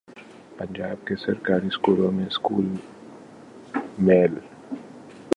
پنجاب کے سرکاری سکولوں میں سکول میل